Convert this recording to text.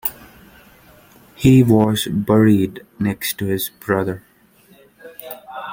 He was buried next to his brother.